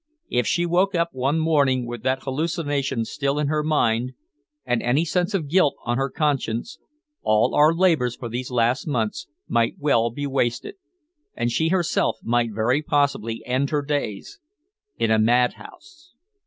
If she woke up one morning with that hallucination still in her mind, and any sense of guilt on her conscience, all our labours for these last months might well be wasted, and she herself might very possibly end her days in a madhouse."